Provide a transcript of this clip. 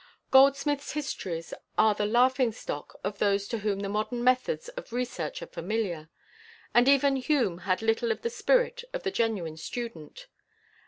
Goldsmith's histories are the laughing stock of those to whom the modern methods of research are familiar, and even Hume had little of the spirit of the genuine student.